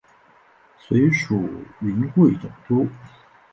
随署云贵总督。